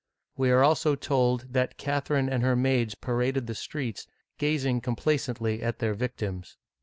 We are also told that Catherine and her maids paraded the streets, gazing complacently at their victims.